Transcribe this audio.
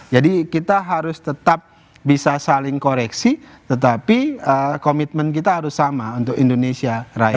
jadi kita harus tetap bisa saling koreksi tetapi komitmen kita harus sama untuk indonesia rakyat